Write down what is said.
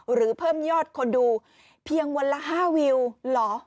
หรือเพิ่มยอดคนดูเพียงวันละ๕วิวเหรอ